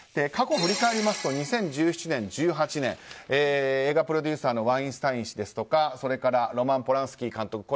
過去、振り返りますと２０１７年、２０１８年映画プロデューサーのワインスタイン氏ですとかロマン・ポランスキー監督。